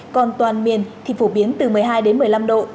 còn toàn miền thì phổ biến từ một mươi hai đến một mươi năm độ